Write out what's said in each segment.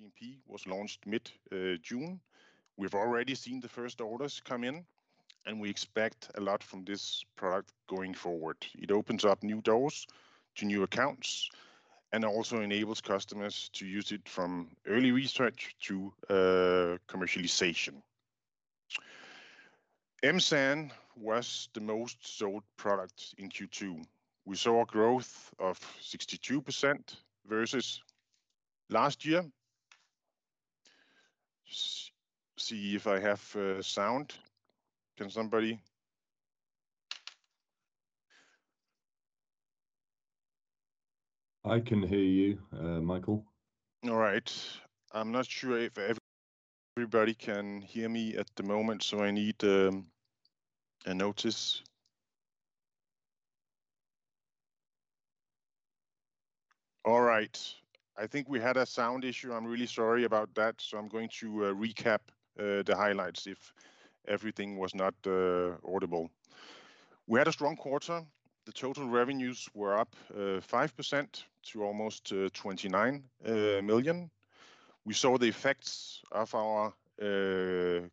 GMP was launched mid-June. We've already seen the first orders come in, and we expect a lot from this product going forward. It opens up new doors to new accounts and also enables customers to use it from early research to commercialization. M-SAN was the most sold product in Q2. We saw a growth of 62% versus last year. See if I have sound. Can somebody? I can hear you, Michael. All right. I'm not sure if everybody can hear me at the moment, so I need a notice. All right. I think we had a sound issue. I'm really sorry about that. I'm going to recap the highlights if everything was not audible. We had a strong quarter. The total revenues were up 5% to almost 29 million. We saw the effects of our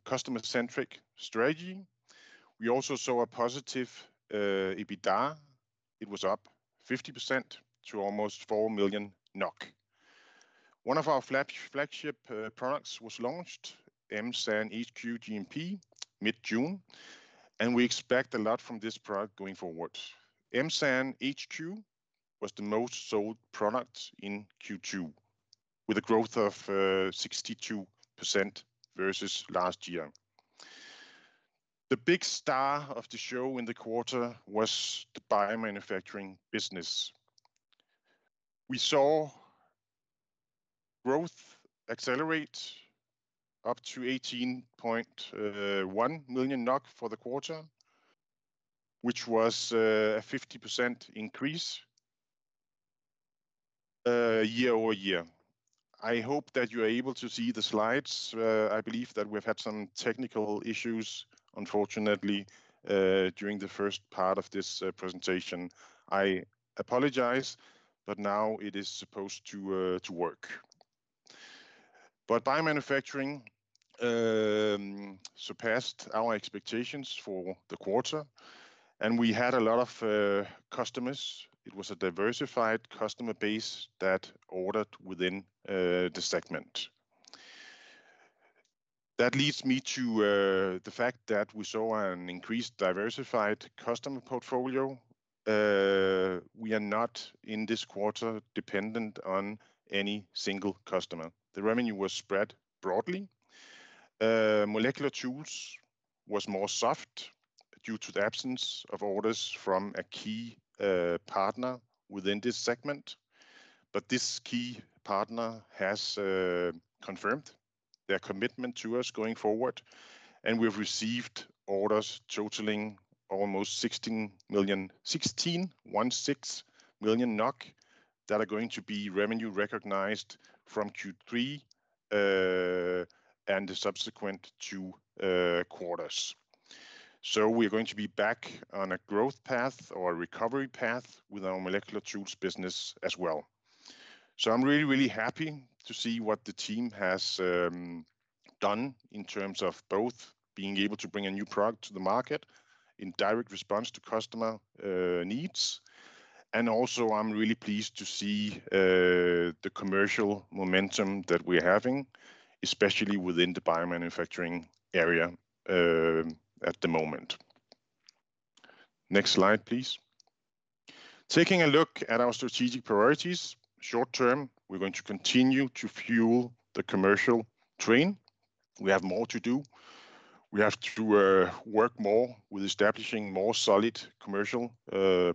customer-centric strategy. We also saw a positive EBITDA. It was up 50% to almost 4 million NOK. One of our flagship products was launched, M-SAN HQ GMP, mid-June, and we expect a lot from this product going forward. M-SAN HQ was the most sold product in Q2 with a growth of 62% versus last year. The big star of the show in the quarter was the biomanufacturing business. We saw growth accelerate up to 18.1 million NOK for the quarter, which was a 50% increase year over year. I hope that you are able to see the slides. I believe that we've had some technical issues, unfortunately, during the first part of this presentation. I apologize, but now it is supposed to work. Biomanufacturing surpassed our expectations for the quarter, and we had a lot of customers. It was a diversified customer base that ordered within the segment. That leads me to the fact that we saw an increased diversified customer portfolio. We are not, in this quarter, dependent on any single customer. The revenue was spread broadly. Molecular tools was more soft due to the absence of orders from a key partner within this segment. This key partner has confirmed their commitment to us going forward, and we've received orders totaling almost 16.16 million NOK that are going to be revenue recognized from Q3 and the subsequent two quarters. We are going to be back on a growth path or a recovery path with our Molecular tools business as well. I'm really, really happy to see what the team has done in terms of both being able to bring a new product to the market in direct response to customer needs, and also, I'm really pleased to see the commercial momentum that we're having, especially within the biomanufacturing area at the moment. Next slide, please. Taking a look at our strategic priorities, short term, we're going to continue to fuel the commercial train. We have more to do. We have to work more with establishing more solid commercial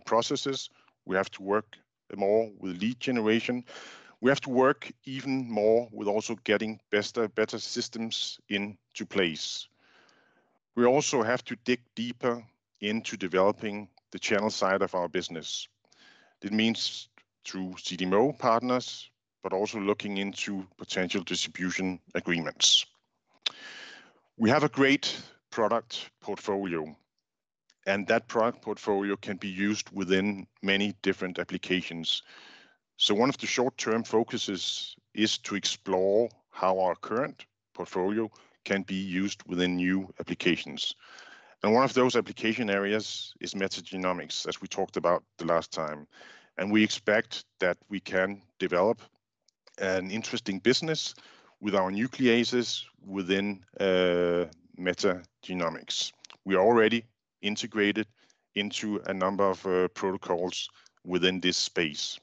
processes. We have to work more with lead generation. We have to work even more with also getting better systems into place. We also have to dig deeper into developing the channel side of our business. It means through CDMO partners, but also looking into potential distribution agreements. We have a great product portfolio, and that product portfolio can be used within many different applications. One of the short-term focuses is to explore how our current portfolio can be used within new applications. One of those application areas is metagenomics, as we talked about the last time. We expect that we can develop an interesting business with our nucleases within metagenomics. We are already integrated into a number of protocols within this space.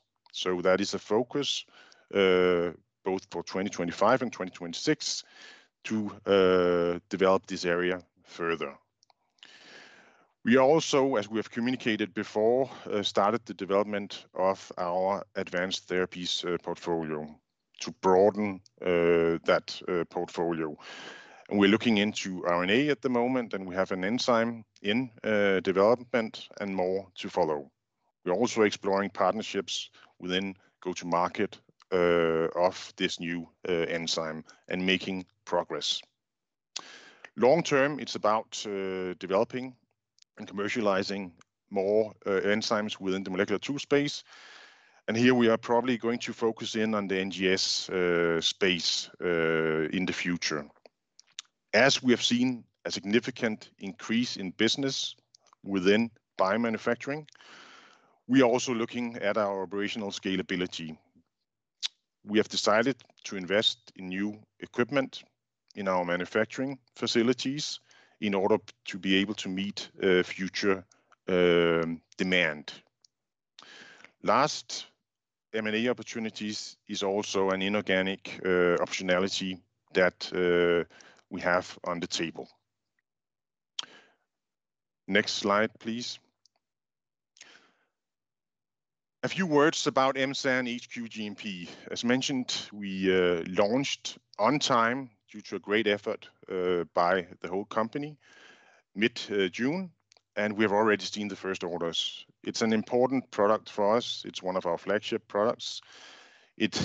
That is a focus both for 2025 and 2026 to develop this area further. We are also, as we have communicated before, started the development of our advanced therapies portfolio to broaden that portfolio. We're looking into RNA at the moment, and we have an enzyme in development and more to follow. We're also exploring partnerships within go-to-market of this new enzyme and making progress. Long term, it's about developing and commercializing more enzymes within the molecular tools segment. Here we are probably going to focus in on the NGS space in the future. As we have seen a significant increase in business within biomanufacturing, we are also looking at our operational scalability. We have decided to invest in new equipment in our manufacturing facilities in order to be able to meet future demand. M&A opportunities are also an inorganic optionality that we have on the table. Next slide, please. A few words about M-SAN HQ GMP. As mentioned, we launched on time due to a great effort by the whole company mid-June, and we've already seen the first orders. It's an important product for us. It's one of our flagship products. It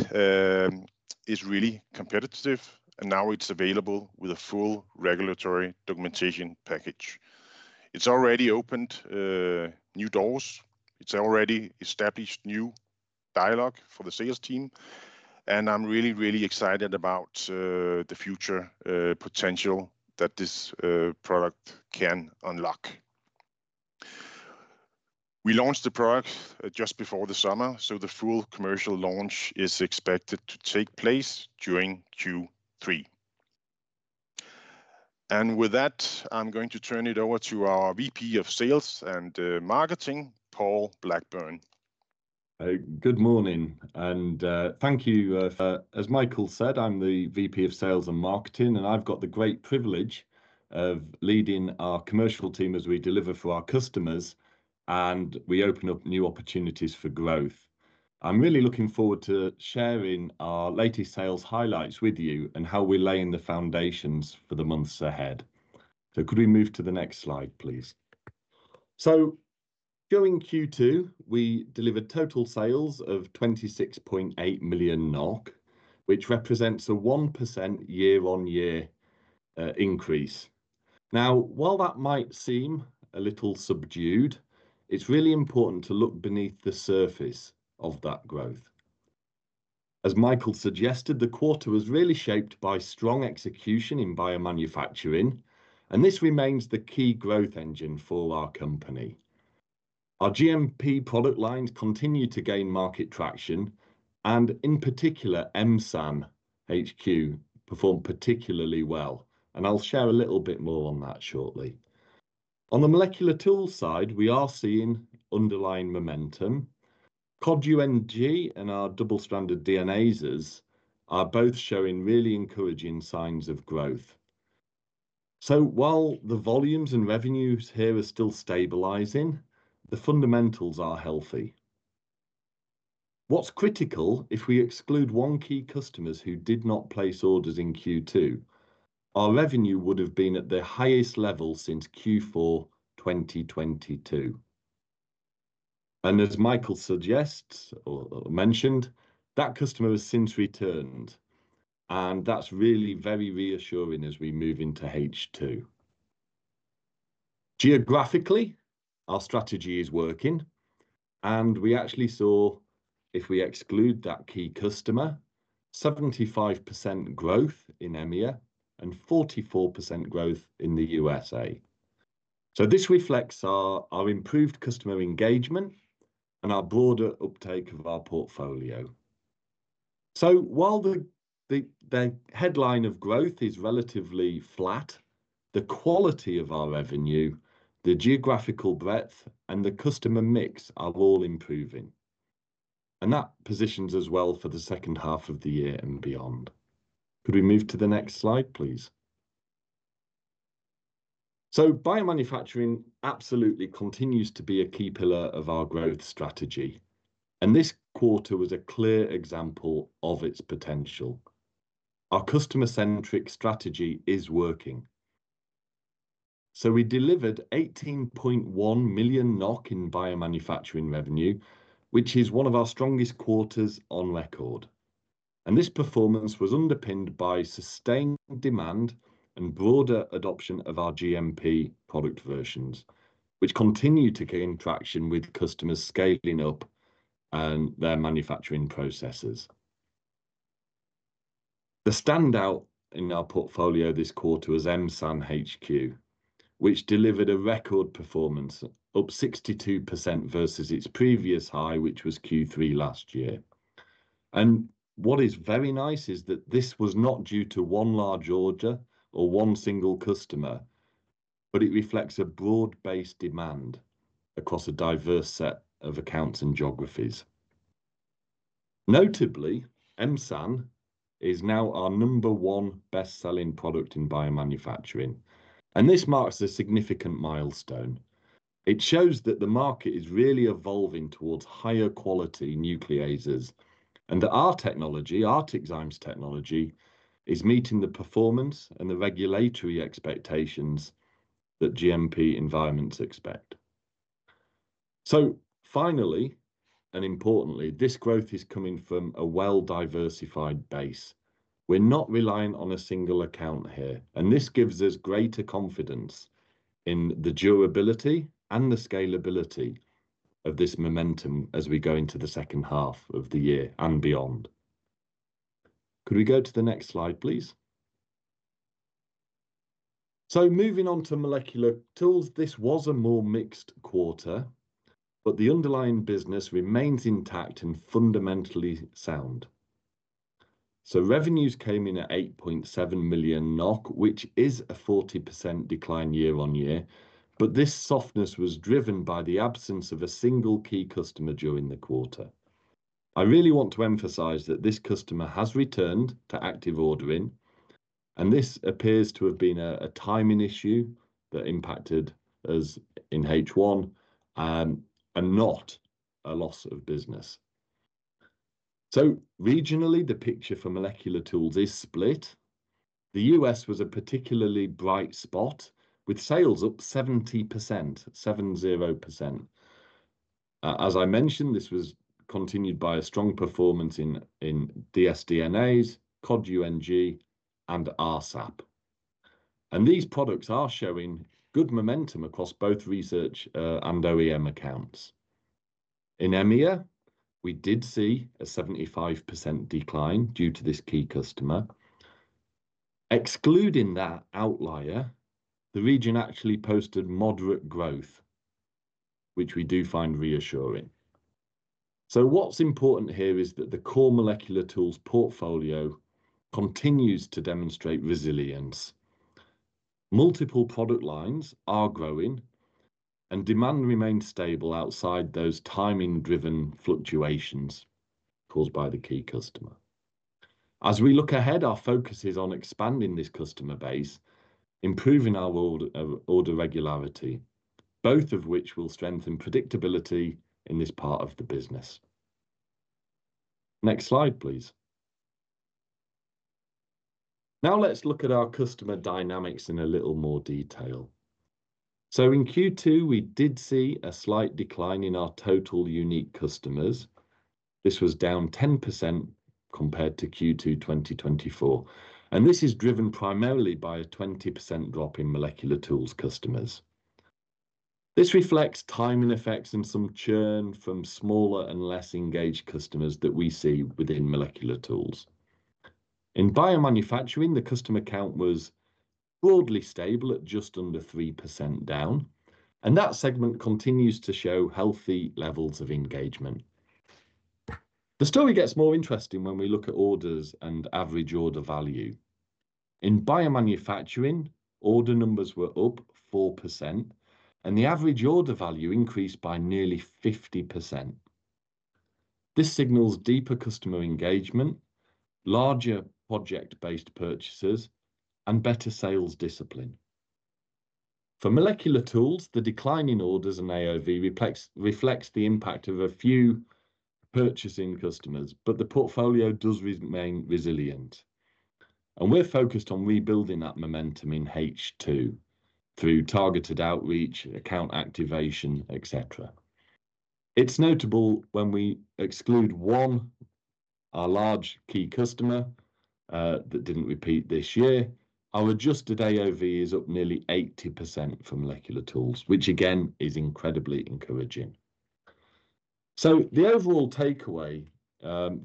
is really competitive, and now it's available with a full regulatory documentation package. It's already opened new doors. It's already established new dialogue for the sales team. I'm really, really excited about the future potential that this product can unlock. We launched the product just before the summer, so the full commercial launch is expected to take place during Q3. With that, I'm going to turn it over to our VP of Sales and Marketing, Paul Blackburn. Good morning, and thank you. As Michael said, I'm the VP of Sales and Marketing, and I've got the great privilege of leading our commercial team as we deliver for our customers, and we open up new opportunities for growth. I'm really looking forward to sharing our latest sales highlights with you and how we're laying the foundations for the months ahead. Could we move to the next slide, please? During Q2, we delivered total sales of 26.8 million NOK, which represents a 1% year-on-year increase. While that might seem a little subdued, it's really important to look beneath the surface of that growth. As Michael suggested, the quarter was really shaped by strong execution in biomanufacturing, and this remains the key growth engine for our company. Our GMP product lines continue to gain market traction, and in particular, MSAN HQ performed particularly well. I'll share a little bit more on that shortly. On the molecular tools side, we are seeing underlying momentum. Cod UNG and our double-stranded DNases are both showing really encouraging signs of growth. While the volumes and revenues here are still stabilizing, the fundamentals are healthy. What's critical, if we exclude one key customer who did not place orders in Q2, our revenue would have been at the highest level since Q4 2022. As Michael mentioned, that customer has since returned, and that's really very reassuring as we move into H2. Geographically, our strategy is working, and we actually saw, if we exclude that key customer, 75% growth in EMEA and 44% growth in the USA. This reflects our improved customer engagement and our broader uptake of our portfolio. While the headline of growth is relatively flat, the quality of our revenue, the geographical breadth, and the customer mix are all improving. That positions us well for the second half of the year and beyond. Could we move to the next slide, please? Biomanufacturing absolutely continues to be a key pillar of our growth strategy, and this quarter was a clear example of its potential. Our customer-centric strategy is working. We delivered 18.1 million NOK in biomanufacturing revenue, which is one of our strongest quarters on record. This performance was underpinned by sustained demand and broader adoption of our GMP product versions, which continue to gain traction with customers scaling up their manufacturing processes. The standout in our portfolio this quarter was M-SAN HQ, which delivered a record performance, up 62% versus its previous high, which was Q3 last year. What is very nice is that this was not due to one large order or one single customer, but it reflects a broad-based demand across a diverse set of accounts and geographies. Notably, M-SAN is now our number one best-selling product in biomanufacturing, and this marks a significant milestone. It shows that the market is really evolving towards higher-quality nucleases and that our technology, ArcticZymes' technology, is meeting the performance and the regulatory expectations that GMP environments expect. Finally, and importantly, this growth is coming from a well-diversified base. We're not relying on a single account here, and this gives us greater confidence in the durability and the scalability of this momentum as we go into the second half of the year and beyond. Could we go to the next slide, please? Moving on to molecular tools, this was a more mixed quarter, but the underlying business remains intact and fundamentally sound. Revenues came in at 8.7 million NOK, which is a 40% decline year on year, but this softness was driven by the absence of a single key customer during the quarter. I really want to emphasize that this customer has returned to active ordering, and this appears to have been a timing issue that impacted, as in H1, and not a loss of business. Regionally, the picture for molecular tools is split. The U.S. was a particularly bright spot with sales up 70%, 70%. As I mentioned, this was continued by a strong performance in dsDNases, Cod UNG, and rSAP. These products are showing good momentum across both research and OEM accounts. In EMEA, we did see a 75% decline due to this key customer. Excluding that outlier, the region actually posted moderate growth, which we do find reassuring. What is important here is that the core molecular tools portfolio continues to demonstrate resilience. Multiple product lines are growing, and demand remains stable outside those timing-driven fluctuations caused by the key customer. As we look ahead, our focus is on expanding this customer base, improving our order regularity, both of which will strengthen predictability in this part of the business. Next slide, please. Now let's look at our customer dynamics in a little more detail. In Q2, we did see a slight decline in our total unique customers. This was down 10% compared to Q2 2024. This is driven primarily by a 20% drop in molecular tools customers. This reflects timing effects and some churn from smaller and less engaged customers that we see within molecular tools. In biomanufacturing, the customer count was broadly stable at just under 3% down, and that segment continues to show healthy levels of engagement. The story gets more interesting when we look at orders and average order value. In biomanufacturing, order numbers were up 4%, and the average order value increased by nearly 50%. This signals deeper customer engagement, larger project-based purchases, and better sales discipline. For molecular tools, the decline in orders and AOV reflects the impact of a few purchasing customers, but the portfolio does remain resilient. We are focused on rebuilding that momentum in H2 through targeted outreach, account activation, etc. It is notable when we exclude one, our large key customer that did not repeat this year, our adjusted AOV is up nearly 80% for molecular tools, which again is incredibly encouraging. The overall takeaway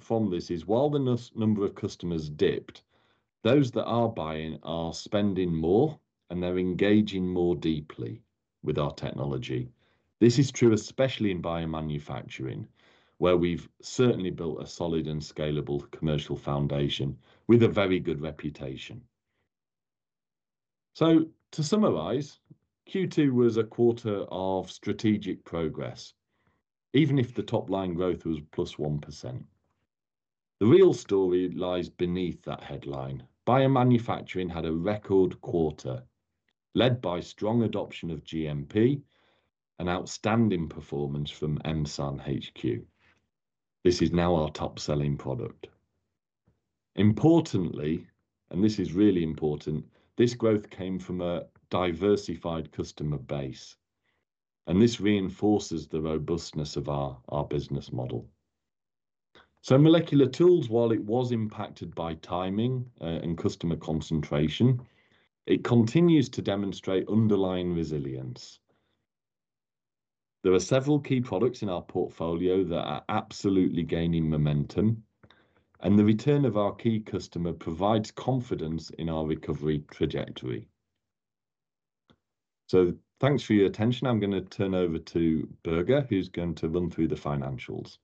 from this is while the number of customers dipped, those that are buying are spending more, and they are engaging more deeply with our technology. This is true especially in biomanufacturing, where we have certainly built a solid and scalable commercial foundation with a very good reputation. To summarize, Q2 was a quarter of strategic progress, even if the top line growth was +1%. The real story lies beneath that headline. Biomanufacturing had a record quarter led by strong adoption of GMP and outstanding performance from M-SAN HQ. This is now our top-selling product. Importantly, and this is really important, this growth came from a diversified customer base, and this reinforces the robustness of our business model. Molecular tools, while it was impacted by timing and customer concentration, continues to demonstrate underlying resilience. There are several key products in our portfolio that are absolutely gaining momentum, and the return of our key customer provides confidence in our recovery trajectory. Thanks for your attention. I am going to turn over to Børge, who is going to run through the financials.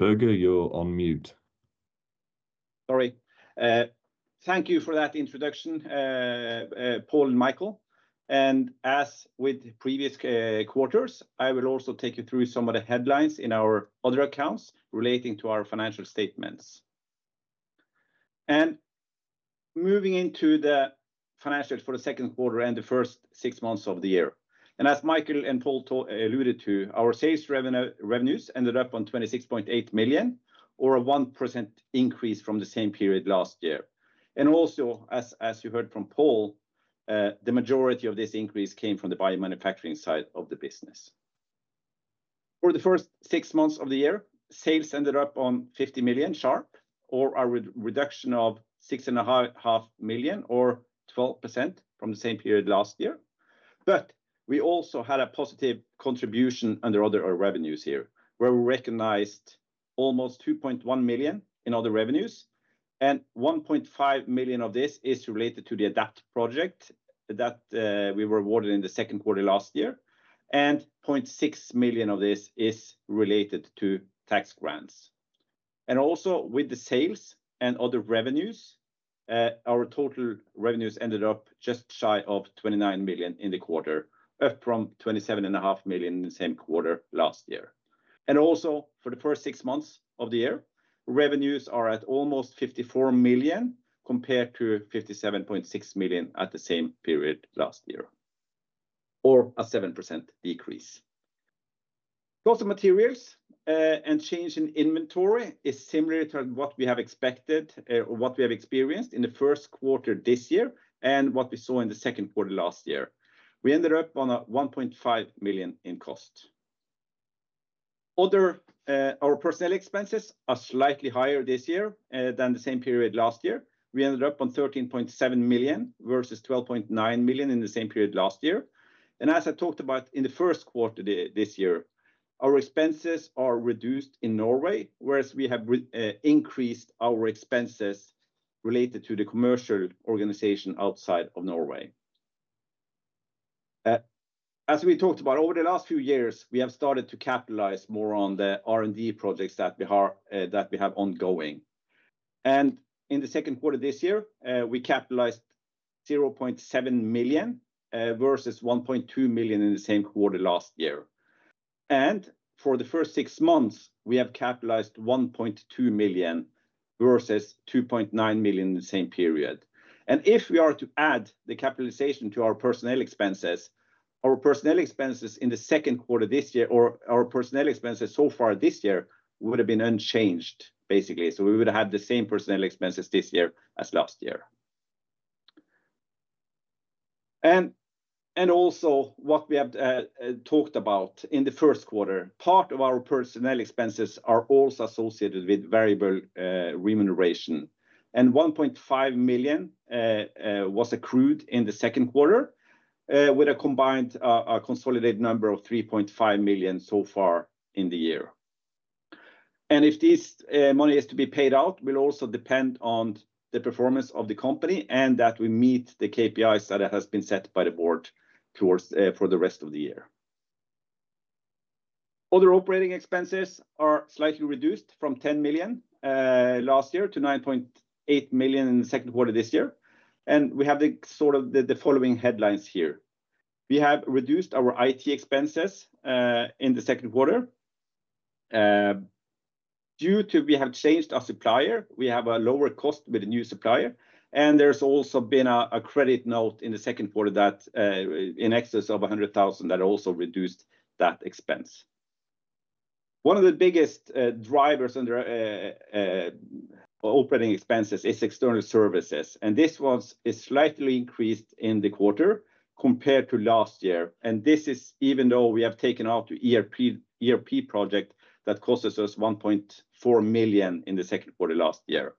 Børge, you are on mute. Thank you for that introduction, Paul and Michael. As with the previous quarters, I will also take you through some of the headlines in our other accounts relating to our financial statements. Moving into the financials for the second quarter and the first six months of the year. As Michael and Paul alluded to, our sales revenues ended up on 26.8 million, or a 1% increase from the same period last year. As you heard from Paul, the majority of this increase came from the biomanufacturing side of the business. For the first six months of the year, sales ended up on 50 million sharp, or a reduction of 6.5 million or 12% from the same period last year. We also had a positive contribution under other revenues here, where we recognized almost 2.1 million in other revenues. 1.5 million of this is related to the AdEPT project that we were awarded in the second quarter last year, and 600,000 of this is related to tax grants. With the sales and other revenues, our total revenues ended up just shy of 29 million in the quarter, up from 27.5 million in the same quarter last year. For the first six months of the year, revenues are at almost 54 million compared to 57.6 million at the same period last year, or a 7% decrease. Cost of materials and change in inventory is similar to what we have expected or what we have experienced in the first quarter this year and what we saw in the second quarter last year. We ended up on 1.5 million in cost. Our personnel expenses are slightly higher this year than the same period last year. We ended up on 13.7 million versus 12.9 million in the same period last year. As I talked about in the first quarter this year, our expenses are reduced in Norway, whereas we have increased our expenses related to the commercial organization outside of Norway. As we talked about over the last few years, we have started to capitalize more on the R&D projects that we have ongoing. In the second quarter this year, we capitalized 700,000 versus 1.2 million in the same quarter last year. For the first six months, we have capitalized 1.2 million versus 2.9 million in the same period. If we are to add the capitalization to our personnel expenses, our personnel expenses in the second quarter this year, or our personnel expenses so far this year, would have been unchanged, basically. We would have had the same personnel expenses this year as last year. What we have talked about in the first quarter, part of our personnel expenses are also associated with variable remuneration. 1.5 million was accrued in the second quarter, with a combined consolidated number of 3.5 million so far in the year. If this money is to be paid out, it will also depend on the performance of the company and that we meet the KPIs that have been set by the board for the rest of the year. Other operating expenses are slightly reduced from 10 million last year to 9.8 million in the second quarter this year. We have the following headlines here. We have reduced our IT expenses in the second quarter because we have changed our supplier. We have a lower cost with a new supplier. There has also been a credit note in the second quarter in excess of 100,000 that also reduced that expense. One of the biggest drivers under operating expenses is external services. This was slightly increased in the quarter compared to last year. This is even though we have taken out the ERP project that cost us 1.4 million in the second quarter last year.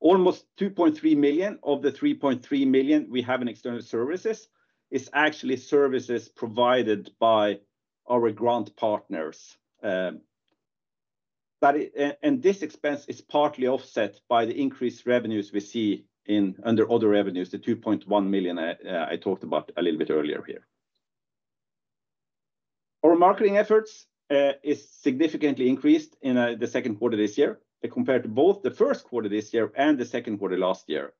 Almost 2.3 million of the 3.3 million we have in external services is actually services provided by our grant partners. This expense is partly offset by the increased revenues we see under other revenues, the 2.1 million I talked about a little bit earlier here. Our marketing efforts are significantly increased in the second quarter this year compared to both the first quarter this year and the second quarter last year.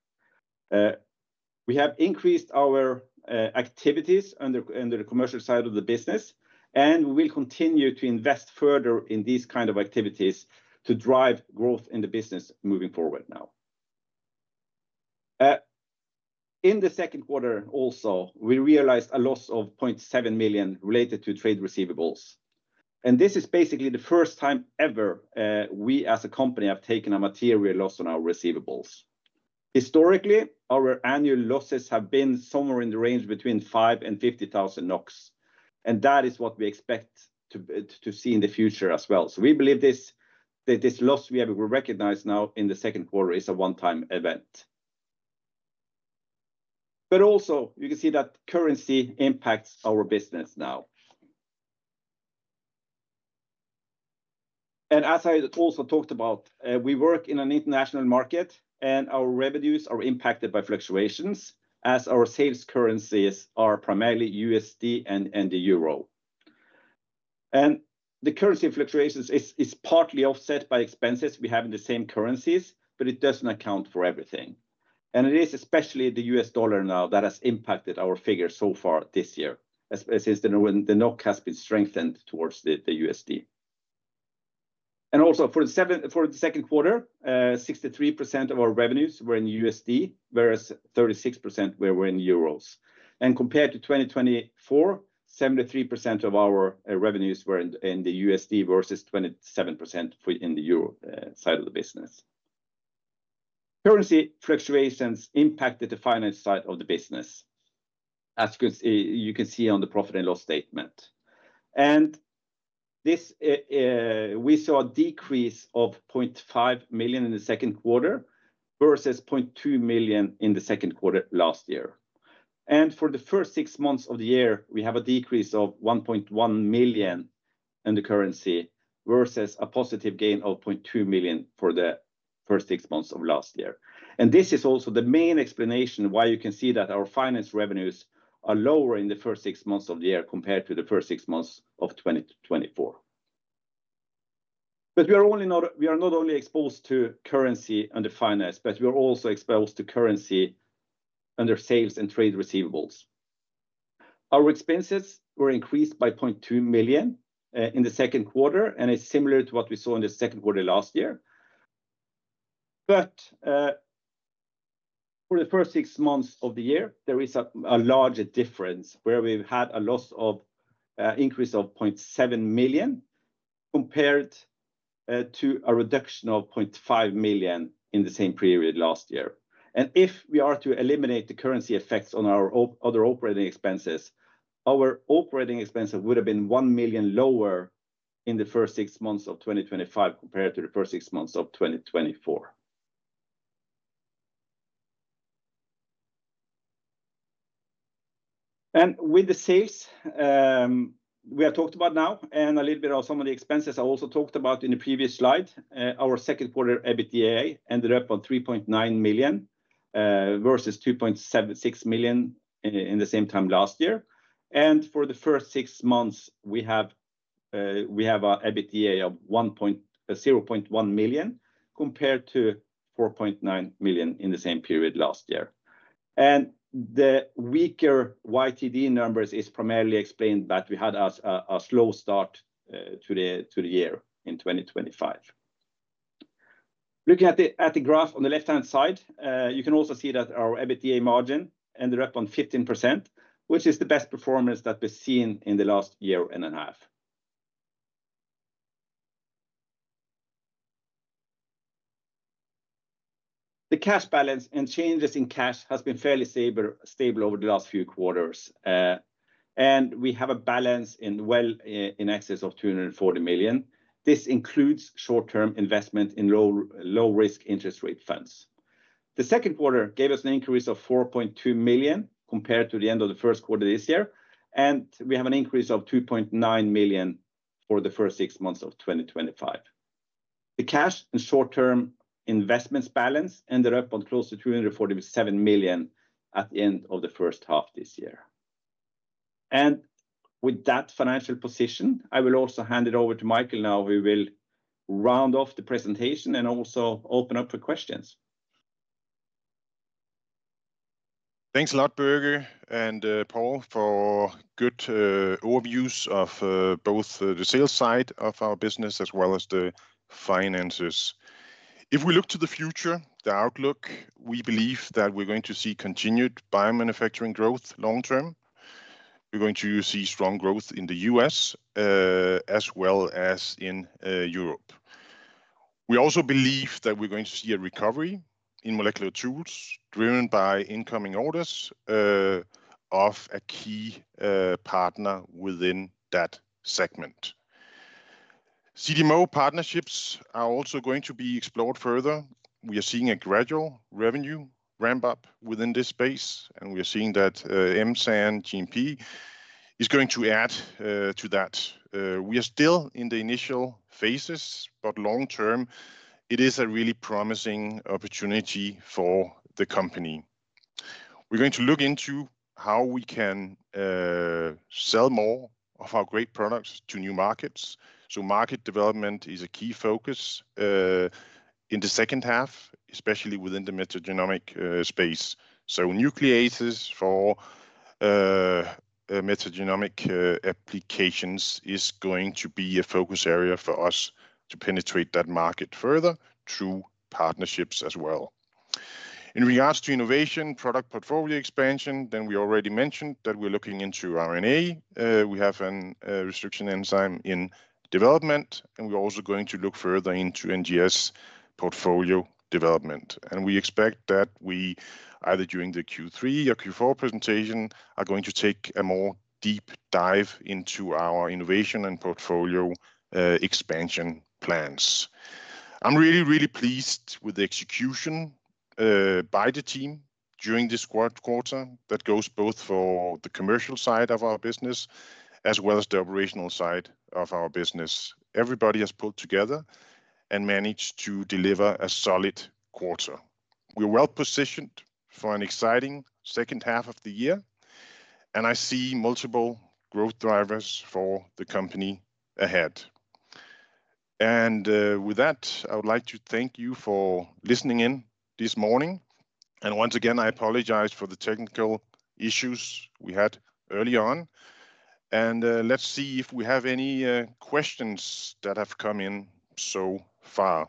We have increased our activities under the commercial side of the business, and we will continue to invest further in these kinds of activities to drive growth in the business moving forward now. In the second quarter, we realized a loss of $700,000 related to trade receivables. This is basically the first time ever we, as a company, have taken a material loss on our receivables. Historically, our annual losses have been somewhere in the range between 5,000-50,000 NOK. That is what we expect to see in the future as well. We believe this loss we have recognized now in the second quarter is a one-time event. You can see that currency impacts our business now. As I also talked about, we work in an international market, and our revenues are impacted by fluctuations as our sales currencies are primarily USD and the euro. The currency fluctuations are partly offset by expenses we have in the same currencies, but it doesn't account for everything. It is especially the U.S. dollar now that has impacted our figures so far this year since the NOK has been strengthened towards the USD. Also, for the second quarter, 63% of our revenues were in USD, whereas 36% were in euros. Compared to 2024, 73% of our revenues were in the USD versus 27% in the euro side of the business. Currency fluctuations impacted the finance side of the business, as you can see on the profit and loss statement. We saw a decrease of 500,000 in the second quarter versus 200,000 in the second quarter last year. For the first six months of the year, we have a decrease of 1.1 million in the currency versus a positive gain of 200,000 for the first six months of last year. This is also the main explanation why you can see that our finance revenues are lower in the first six months of the year compared to the first six months of 2024. We are not only exposed to currency under finance, but we are also exposed to currency under sales and trade receivables. Our expenses were increased by 200,000 in the second quarter, and it's similar to what we saw in the second quarter last year. For the first six months of the year, there is a larger difference where we've had a loss of an increase of 700,000 compared to a reduction of 500,000 in the same period last year. If we are to eliminate the currency effects on our other operating expenses, our operating expenses would have been 1 million lower in the first six months of 2025 compared to the first six months of 2024. With the sales we have talked about now and a little bit of some of the expenses I also talked about in the previous slide, our second quarter EBITDA ended up on 3.9 million versus 2.76 million in the same time last year. For the first six months, we have an EBITDA of 100,000 compared to 4.9 million in the same period last year. The weaker YTD numbers are primarily explained that we had a slow start to the year in 2025. Looking at the graph on the left-hand side, you can also see that our EBITDA margin ended up on 15%, which is the best performance that we've seen in the last year and a half. The cash balance and changes in cash have been fairly stable over the last few quarters. We have a balance well in excess of 240 million. This includes short-term investment in low-risk interest rate funds. The second quarter gave us an increase of 4.2 million compared to the end of the first quarter this year. We have an increase of 2.9 million for the first six months of 2025. The cash and short-term investments balance ended up on close to 247 million at the end of the first half this year. With that financial position, I will also hand it over to Michael now who will round off the presentation and also open up for questions. Thanks a lot, Børge and Paul, for good overviews of both the sales side of our business as well as the finances. If we look to the future, the outlook, we believe that we're going to see continued biomanufacturing growth long term. We're going to see strong growth in the U.S. as well as in Europe. We also believe that we're going to see a recovery in molecular tools driven by incoming orders of a key partner within that segment. CDMO partnerships are also going to be explored further. We are seeing a gradual revenue ramp-up within this space, and we are seeing that M-SAN GMP is going to add to that. We are still in the initial phases, but long term, it is a really promising opportunity for the company. We're going to look into how we can sell more of our great products to new markets. Market development is a key focus in the second half, especially within the metagenomics space. Nucleases for metagenomic applications are going to be a focus area for us to penetrate that market further through partnerships as well. In regards to innovation, product portfolio expansion, we already mentioned that we're looking into RNA. We have a restriction enzyme in development, and we're also going to look further into NGS portfolio development. We expect that we either during the Q3 or Q4 presentation are going to take a more deep dive into our innovation and portfolio expansion plans. I'm really, really pleased with the execution by the team during this quarter that goes both for the commercial side of our business as well as the operational side of our business. Everybody has pulled together and managed to deliver a solid quarter. We're well positioned for an exciting second half of the year, and I see multiple growth drivers for the company ahead. I would like to thank you for listening in this morning. Once again, I apologize for the technical issues we had early on. Let's see if we have any questions that have come in so far.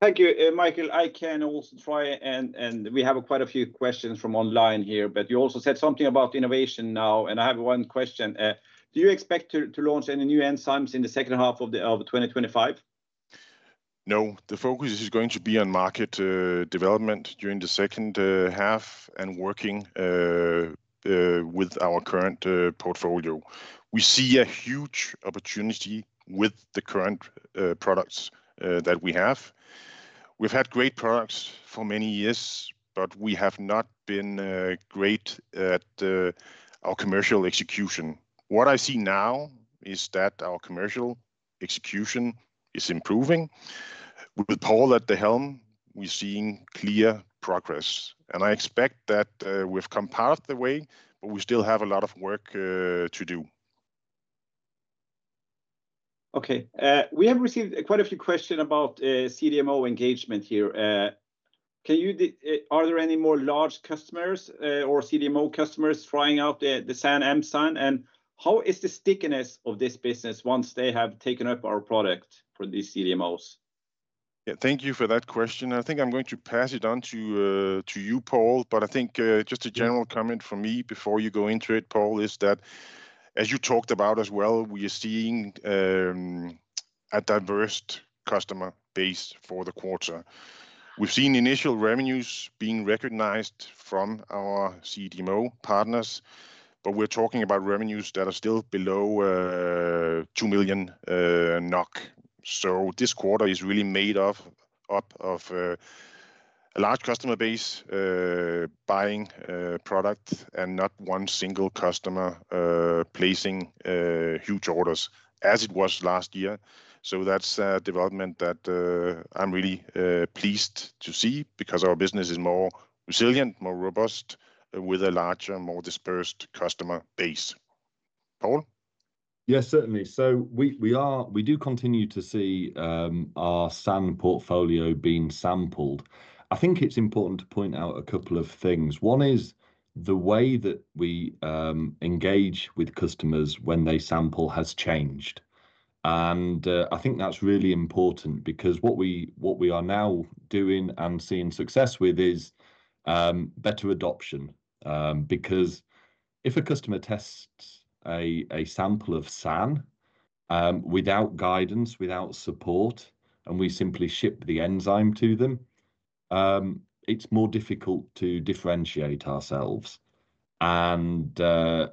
Thank you, Michael. I can also try, and we have quite a few questions from online here, but you also said something about innovation now. I have one question. Do you expect to launch any new enzymes in the second half of 2025? No. The focus is going to be on market development during the second half and working with our current portfolio. We see a huge opportunity with the current products that we have. We've had great products for many years, but we have not been great at our commercial execution. What I see now is that our commercial execution is improving. With Paul at the helm, we're seeing clear progress. I expect that we've come part of the way, but we still have a lot of work to do. Okay. We have received quite a few questions about CDMO engagement here. Are there any more large customers or CDMO customers trying out the M-SAN, and how is the stickiness of this business once they have taken up our product from these CDMOs? Yeah, thank you for that question. I think I'm going to pass it on to you, Paul, but I think just a general comment from me before you go into it, Paul, is that as you talked about as well, we are seeing a diverse customer base for the quarter. We've seen initial revenues being recognized from our CDMO partners, but we're talking about revenues that are still below 2 million NOK. This quarter is really made up of a large customer base buying products and not one single customer placing huge orders as it was last year. That's a development that I'm really pleased to see because our business is more resilient, more robust with a larger, more dispersed customer base. Paul? Yes, certainly. We do continue to see our SAN portfolio being sampled. I think it's important to point out a couple of things. One is the way that we engage with customers when they sample has changed. I think that's really important because what we are now doing and seeing success with is better adoption. If a customer tests a sample of SAN without guidance, without support, and we simply ship the enzyme to them, it's more difficult to differentiate ourselves and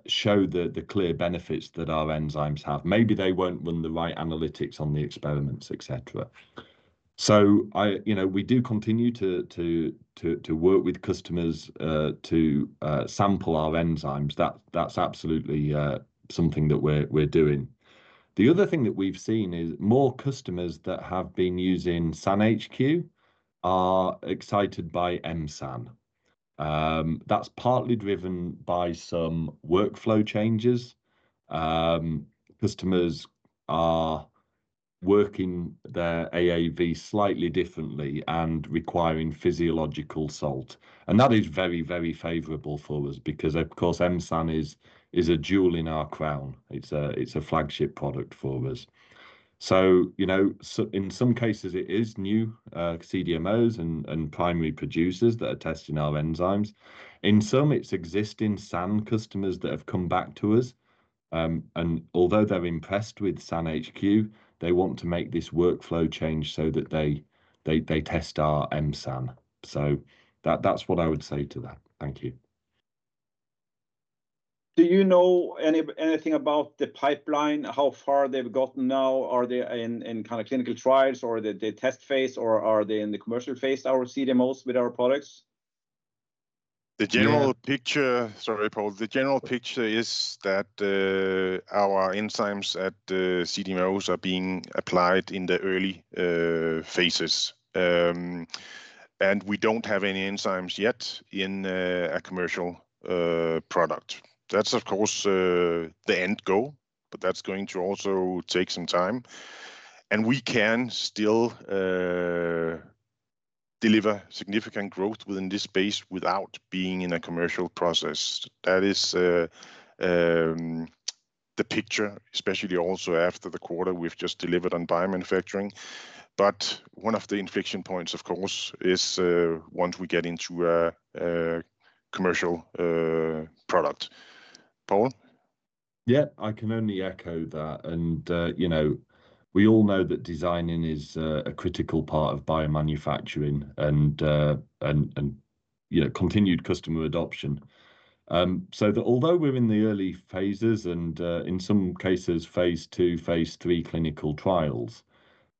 show the clear benefits that our enzymes have. Maybe they won't run the right analytics on the experiments, etc. We do continue to work with customers to sample our enzymes. That's absolutely something that we're doing. The other thing that we've seen is more customers that have been using SAN HQ are excited by M-SAN. That's partly driven by some workflow changes. Customers are working their AAV slightly differently and requiring physiological salt. That is very, very favorable for us because, of course, M-SAN is a jewel in our crown. It's a flagship product for us. In some cases, it is new CDMOs and primary producers that are testing our enzymes. In some, it's existing SAN customers that have come back to us. Although they're impressed with SAN HQ, they want to make this workflow change so that they test our M-SAN. That's what I would say to that. Thank you. Do you know anything about the pipeline, how far they've gotten now? Are they in kind of clinical trials or the test phase, or are they in the commercial phase, our CDMOs with our products? The general picture is that our enzymes at CDMOs are being applied in the early phases. We don't have any enzymes yet in a commercial product. That's, of course, the end goal, but that's going to also take some time. We can still deliver significant growth within this space without being in a commercial process. That is the picture, especially also after the quarter we've just delivered on biomanufacturing. One of the inflection points, of course, is once we get into a commercial product. Paul? Yeah, I can only echo that. You know we all know that designing is a critical part of biomanufacturing and continued customer adoption. Although we're in the early phases and in some cases phase II, phase III clinical trials,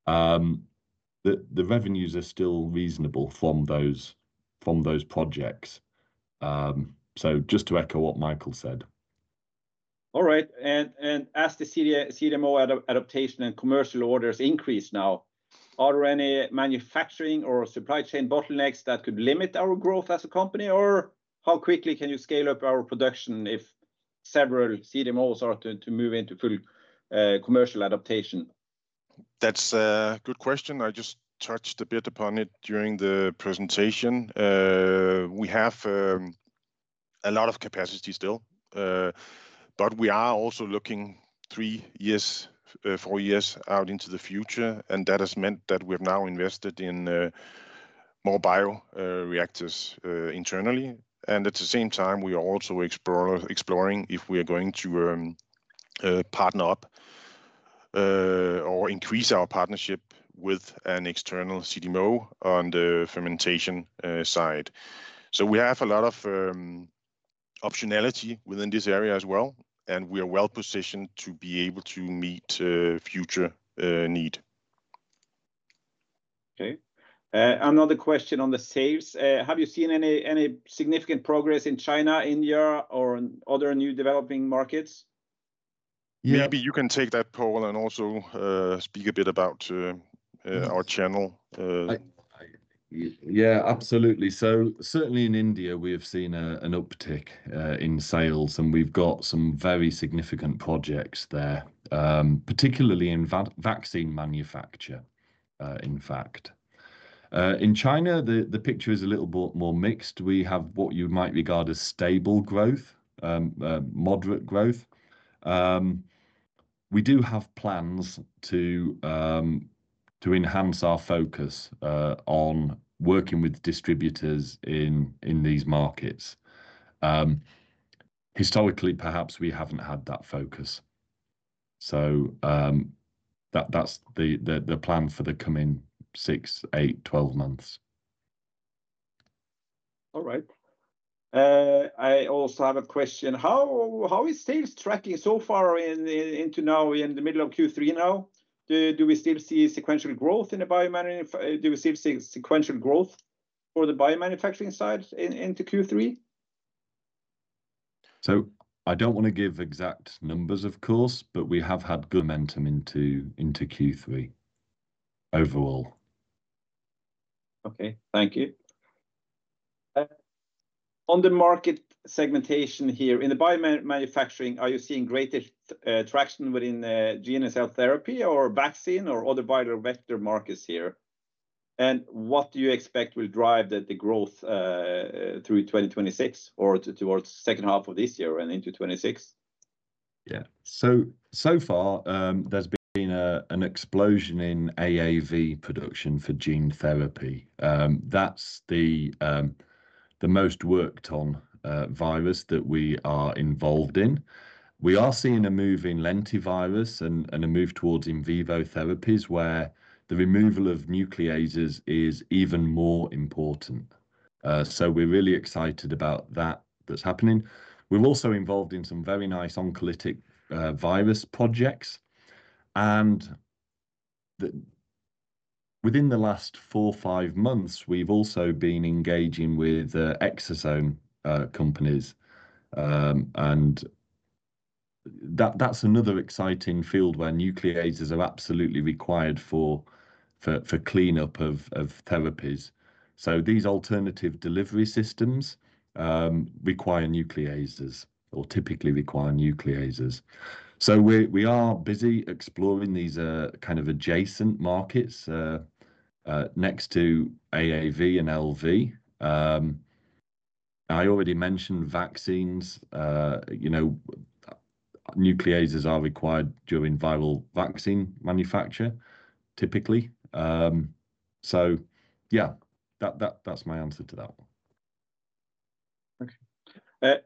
the revenues are still reasonable from those projects. Just to echo what Michael said. As the CDMO adaptation and commercial orders increase now, are there any manufacturing or supply chain bottlenecks that could limit our growth as a company, or how quickly can you scale up our production if several CDMOs are to move into full commercial adaptation? That's a good question. I just touched a bit upon it during the presentation. We have a lot of capacity still, but we are also looking three years, four years out into the future. That has meant that we have now invested in more bioreactors internally. At the same time, we are also exploring if we are going to partner up or increase our partnership with an external CDMO on the fermentation side. We have a lot of optionality within this area as well, and we are well positioned to be able to meet future need. Okay. Another question on the sales. Have you seen any significant progress in China, India, or other new developing markets? Maybe you can take that, Paul, and also speak a bit about our channel. Yeah, absolutely. Certainly in India, we have seen an uptick in sales, and we've got some very significant projects there, particularly in vaccine manufacture, in fact. In China, the picture is a little bit more mixed. We have what you might regard as stable growth, moderate growth. We do have plans to enhance our focus on working with distributors in these markets. Historically, perhaps we haven't had that focus. That's the plan for the coming six, eight, 12 months. All right. I also have a question. How is sales tracking so far into now in the middle of Q3 now? Do we still see sequential growth in the biomanufacturing side into Q3? I don't want to give exact numbers, of course, but we have had momentum into Q3 overall. Thank you. On the market segmentation here, in the biomanufacturing, are you seeing greater traction within gene and cell therapy or vaccine or other bioreactor markets here? What do you expect will drive the growth through 2026 or towards the second half of this year and into 2026? Yeah. So far, there's been an explosion in AAV production for gene therapy. That's the most worked-on virus that we are involved in. We are seeing a move in lentivirus and a move towards in vivo therapies where the removal of nucleases is even more important. We're really excited about that happening. We're also involved in some very nice oncolytic virus projects. Within the last four or five months, we've also been engaging with exosome companies. That's another exciting field where nucleases are absolutely required for cleanup of therapies. These alternative delivery systems require nucleases or typically require nucleases. We are busy exploring these kind of adjacent markets next to AAV and LV. I already mentioned vaccines. Nucleases are required during viral vaccine manufacture, typically. That's my answer to that one. Okay.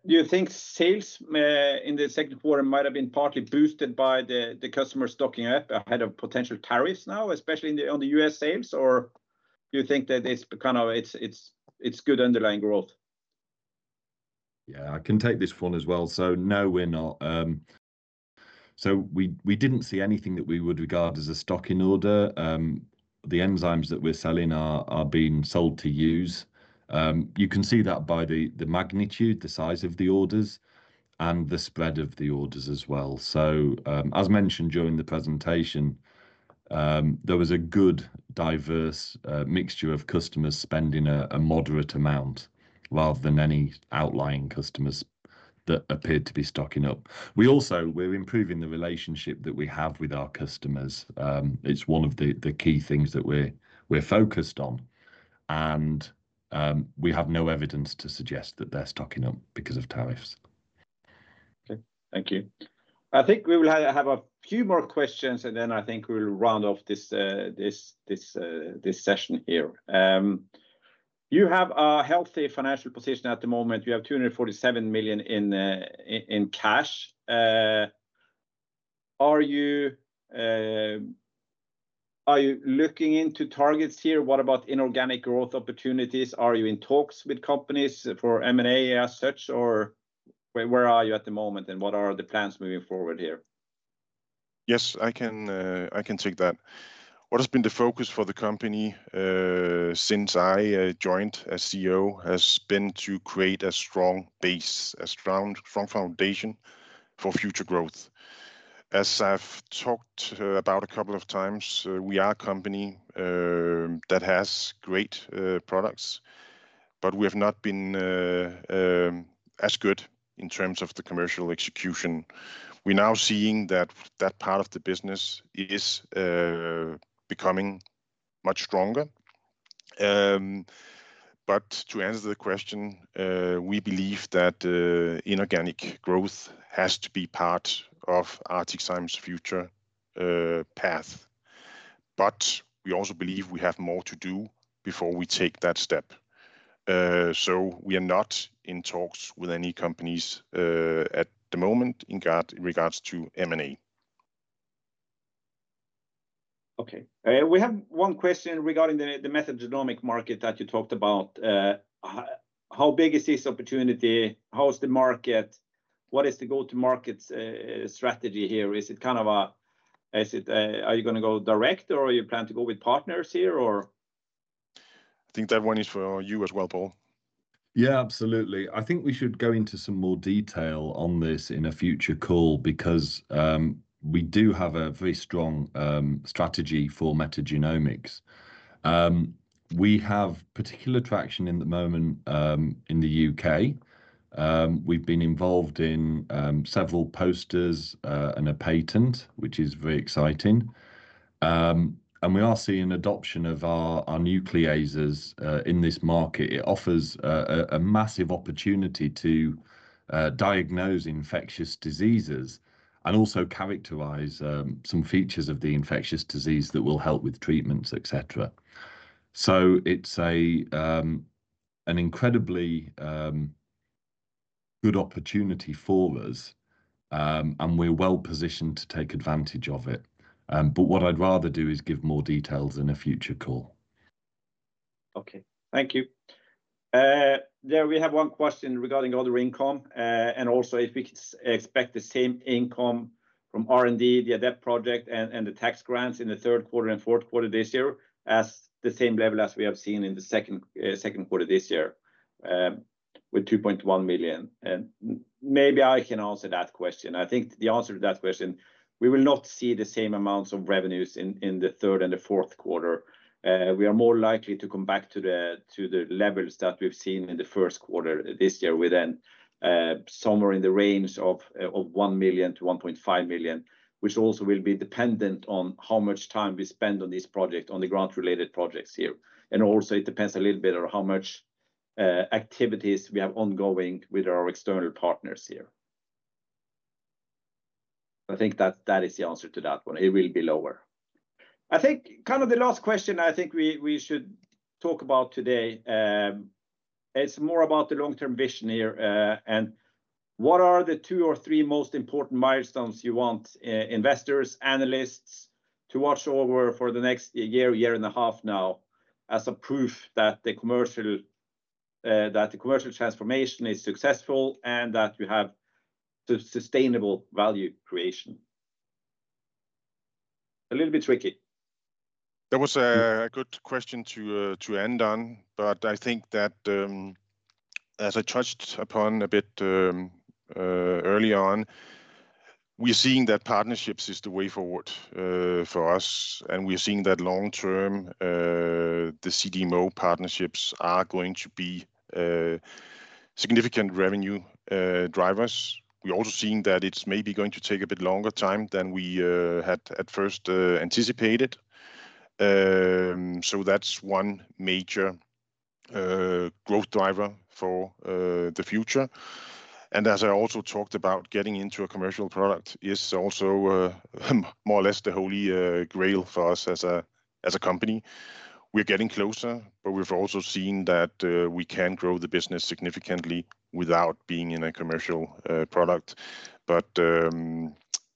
Do you think sales in the second quarter might have been partly boosted by the customer stocking up ahead of potential tariffs now, especially on the U.S. sales, or do you think that it's kind of good underlying growth? Yeah, I can take this one as well. No, we're not. We didn't see anything that we would regard as a stocking order. The enzymes that we're selling are being sold to use. You can see that by the magnitude, the size of the orders, and the spread of the orders as well. As mentioned during the presentation, there was a good diverse mixture of customers spending a moderate amount rather than any outlying customers that appeared to be stocking up. We're improving the relationship that we have with our customers. It's one of the key things that we're focused on. We have no evidence to suggest that they're stocking up because of tariffs. Thank you. I think we will have a few more questions, and then I think we'll round off this session here. You have a healthy financial position at the moment. You have 247 million in cash. Are you looking into targets here? What about inorganic growth opportunities? Are you in talks with companies for M&A as such, or where are you at the moment, and what are the plans moving forward here? Yes, I can take that. What has been the focus for the company since I joined as CEO has been to create a strong base, a strong foundation for future growth. As I've talked about a couple of times, we are a company that has great products, but we have not been as good in terms of the commercial execution. We're now seeing that that part of the business is becoming much stronger. To answer the question, we believe that inorganic growth has to be part of ArcticZymes' future path. We also believe we have more to do before we take that step. We are not in talks with any companies at the moment in regards to M&A. Okay. We have one question regarding the metagenomics market that you talked about. How big is this opportunity? How is the market? What is the go-to-market strategy here? Is it kind of a, are you going to go direct, or are you planning to go with partners here? I think that one is for you as well, Paul. Yeah, absolutely. I think we should go into some more detail on this in a future call because we do have a very strong strategy for metagenomics. We have particular traction at the moment in the U.K. We've been involved in several posters and a patent, which is very exciting. We are seeing adoption of our nucleases in this market. It offers a massive opportunity to diagnose infectious diseases and also characterize some features of the infectious disease that will help with treatments, etc. It is an incredibly good opportunity for us, and we're well positioned to take advantage of it. What I'd rather do is give more details in a future call. Okay. Thank you. There, we have one question regarding other income, and also if we can expect the same income from R&D, the AdEPT project, and the tax grants in the third quarter and fourth quarter this year at the same level as we have seen in the second quarter this year with 2.1 million. Maybe I can answer that question. I think the answer to that question, we will not see the same amounts of revenues in the third and the fourth quarter. We are more likely to come back to the levels that we've seen in the first quarter this year within somewhere in the range of 1 million-1.5 million, which also will be dependent on how much time we spend on these projects, on the grant-related projects here. It also depends a little bit on how much activities we have ongoing with our external partners here. I think that is the answer to that one. It will be lower. I think kind of the last question I think we should talk about today is more about the long-term vision here. What are the two or three most important milestones you want investors, analysts to watch over for the next year, year and a half now as a proof that the commercial transformation is successful and that we have sustainable value creation? A little bit tricky. That was a good question to end on, but I think that, as I touched upon a bit early on, we are seeing that partnerships are the way forward for us. We are seeing that long term, the CDMO partnerships are going to be significant revenue drivers. We're also seeing that it's maybe going to take a bit longer time than we had at first anticipated. That's one major growth driver for the future. As I also talked about, getting into a commercial product is also more or less the holy grail for us as a company. We're getting closer, but we've also seen that we can grow the business significantly without being in a commercial product.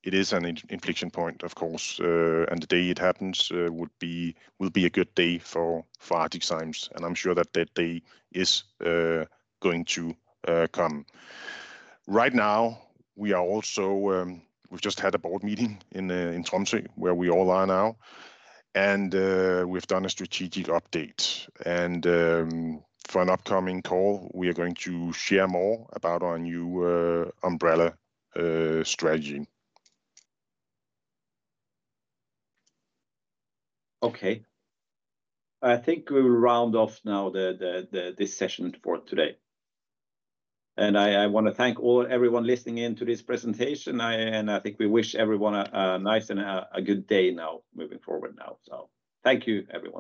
It is an inflection point, of course. The day it happens will be a good day for ArcticZymes. I'm sure that day is going to come. Right now, we are also, we've just had a board meeting in Tromsø where we all are now. We've done a strategic update, and for an upcoming call, we are going to share more about our new umbrella strategy. Okay. I think we will round off now this session for today. I want to thank everyone listening in to this presentation. I think we wish everyone a nice and a good day now moving forward. Thank you, everyone.